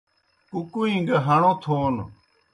کُکُوئیں گہ ہݨو تھون